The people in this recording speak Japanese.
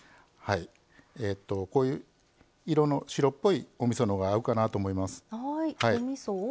こういう色の白っぽいおみそのが合うかなと思います。